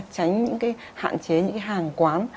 tránh những cái hạn chế những cái hàng quán